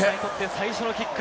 最初のキック。